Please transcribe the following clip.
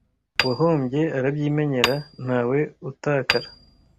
uwahombye arabyimenyera ntawe atakara